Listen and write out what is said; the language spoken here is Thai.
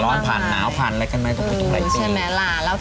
ร้อนผ่านหนาวผ่านอะไรกันมาตรงไปตรงไหนปี